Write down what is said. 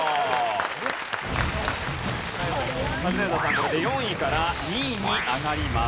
これで４位から２位に上がります。